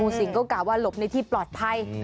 งูสิงก็กลับว่าหลบในที่ปลอดภัย